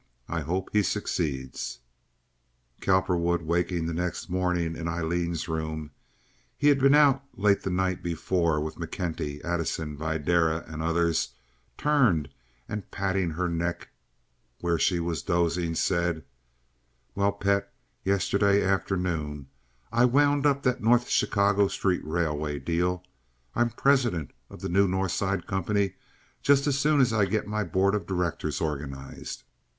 I hope he succeeds." Cowperwood, waking the next morning in Aileen's room—he had been out late the night before with McKenty, Addison, Videra, and others—turned and, patting her neck where she was dozing, said: "Well, pet, yesterday afternoon I wound up that North Chicago Street Railway deal. I'm president of the new North Side company just as soon as I get my board of directors organized.